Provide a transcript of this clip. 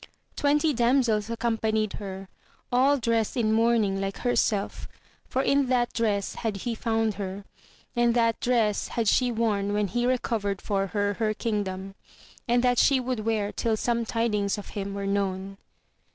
Twenty damsels accompanied her, all dressed in mourning like herself, for in that dress had he found her, and that dress had she worn when he recovered for her her kingdom, and that she would wear till some tidings of him were known.